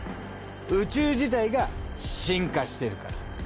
宇宙自体が進化してるから。